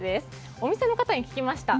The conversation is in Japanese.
お店の方に聞きました。